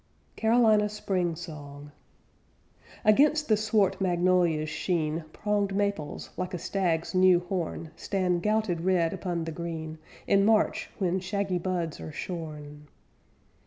CAROLINA SPRING SONG Against the swart magnolias' sheen Pronged maples, like a stag's new horn, Stand gouted red upon the green, In March when shaggy buds are shorn.